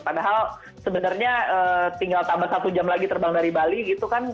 padahal sebenarnya tinggal tambah satu jam lagi terbang dari bali gitu kan